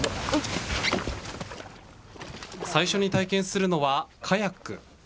最初に体験するのはカヤック。